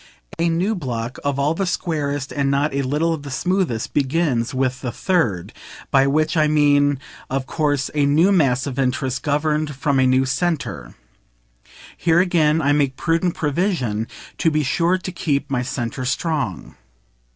A new block, all of the squarest and not a little of the smoothest, begins with the Third by which I mean of course a new mass of interest governed from a new centre. Here again I make prudent PROVISION to be sure to keep my centre strong.